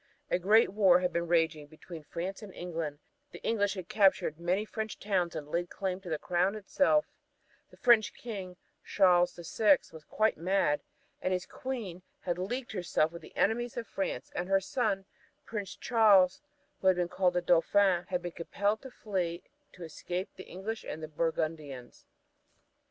A great war had been raging between France and England; the English had captured many French towns and laid claim to the crown itself; the French King, Charles the Sixth, was quite mad; his Queen had leagued herself with the enemies of France, and her son, Prince Charles, who was called the Dauphin, had been compelled to flee to escape the English and the Burgundians.